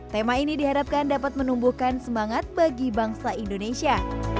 tema ini diharapkan dapat menumbuhkan semangat bagi bangsa indonesia